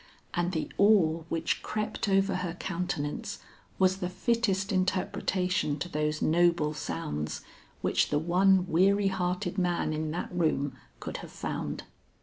And the awe which crept over her countenance was the fittest interpretation to those noble sounds, which the one weary hearted man in that room could have found.